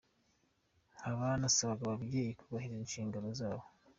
Nkaba nasabaga ababyeyi kubahiriza inshingano zabo.